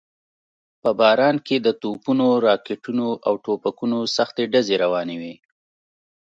په باران کې د توپونو، راکټونو او ټوپکونو سختې ډزې روانې وې.